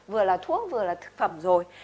vừa là thuốc vừa là thực phẩm rồi